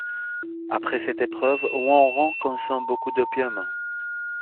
Après cette épreuve, Wanrong consomme beaucoup d'opium.